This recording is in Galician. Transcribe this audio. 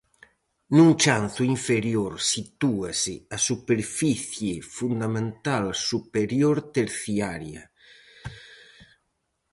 Nun chanzo inferior sitúase a superficie fundamental superior terciaria.